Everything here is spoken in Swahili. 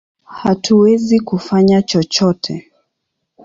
Hatuwezi kufanya chochote!